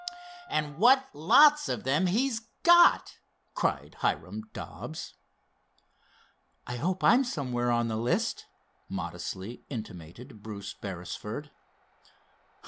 "And what lots of them he's got!" cried Hiram Dobbs. "I hope I'm somewhere on the list," modestly intimated Bruce Beresford.